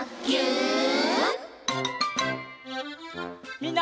みんな。